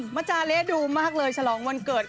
อาจารย์เละดูมากเลยฉลองวันเกิด